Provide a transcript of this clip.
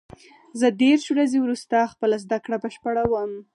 زه دېرش ورځې وروسته خپله زده کړه بشپړوم.